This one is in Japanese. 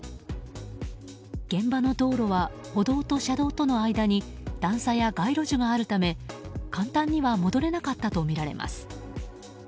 現場の道路は歩道と車道との間に段差や街路樹があるため簡単には戻れなかったとみられます。